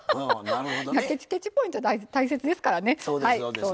ケチケチ・ポイント大切ですからね。